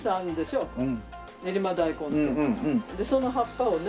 でその葉っぱをね